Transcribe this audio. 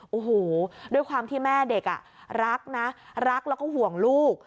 โอ้โหด้วยความที่แม่เด็กรักนะรักแล้วก็ห่วงลูก